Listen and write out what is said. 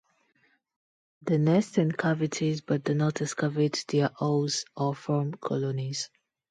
They nest in cavities but do not excavate their holes or form colonies.